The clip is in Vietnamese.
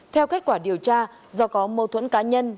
theo kết quả điều tra do có mâu thuẫn cá nhân